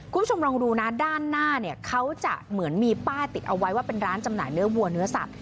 คุณผู้ชมลองดูนะด้านหน้าเนี่ยเขาจะเหมือนมีป้ายติดเอาไว้ว่าเป็นร้านจำหน่ายเนื้อวัวเนื้อสัตว